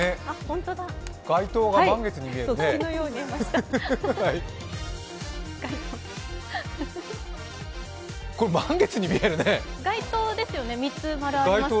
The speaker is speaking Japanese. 街灯が満月に見えました。